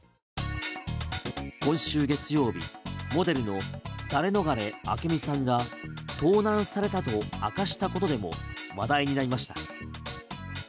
今週月曜日モデルのダレノガレ明美さんが盗難されたと明かしたことでも話題になりました。